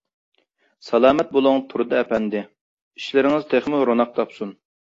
سالامەت بولۇڭ تۇردى ئەپەندى، ئىشلىرىڭىز تېخىمۇ روناق تاپسۇن!